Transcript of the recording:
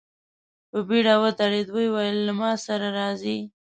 په بېړه ودرېد، ويې ويل: له ما سره راځئ!